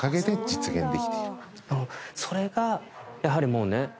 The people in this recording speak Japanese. それがやはりもうね。